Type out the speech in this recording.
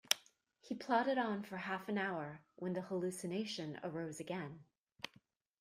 He plodded on for half an hour, when the hallucination arose again.